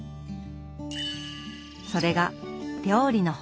それが料理の本。